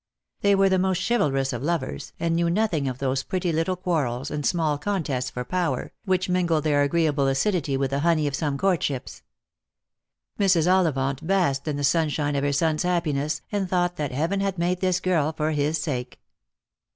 They were the most chivalrous of lovers, and knew nothing of those pretty little quarrels, and small contests for power, which mingle their agreeable acidity with the honey of some courtships. Mrs. Ollivant basked in the sunshine of her son's happiness, and thought that Heaven had made this girl for his sake.